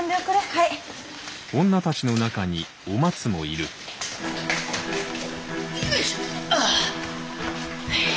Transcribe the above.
はい。よいしょ。